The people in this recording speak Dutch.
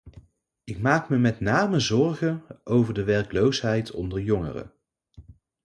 Ik maak me met name zorgen over de werkloosheid onder jongeren.